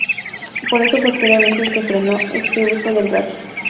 Por eso posteriormente se frenó este uso del radio.